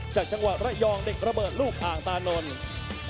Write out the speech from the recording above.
จากจังหวะระยองเด็กระเบิดลูกอ่างตานนท์